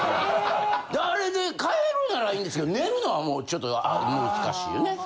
あれで帰るならいいんですけど寝るのはもうちょっと難しいよね。